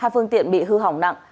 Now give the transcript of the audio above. hai phương tiện bị hư hỏng nặng